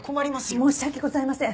申し訳ございません！